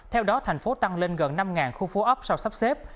theo đó tp hcm tăng lên gần năm khu phố ấp sau sắp xếp